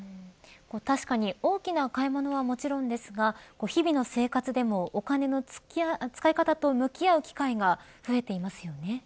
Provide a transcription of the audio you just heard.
確かに大きな買い物はもちろんですが日々の生活でも、お金の使い方と向き合う機会が増えていますよね。